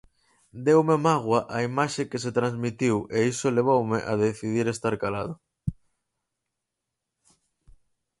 Deume mágoa a imaxe que se transmitiu e iso levoume a decidir estar calado.